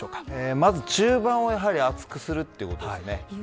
まず中盤を厚くすることですね。